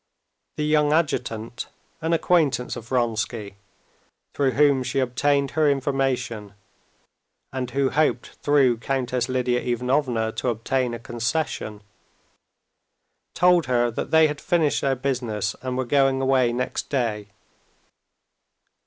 The young adjutant, an acquaintance of Vronsky, through whom she obtained her information, and who hoped through Countess Lidia Ivanovna to obtain a concession, told her that they had finished their business and were going away next day.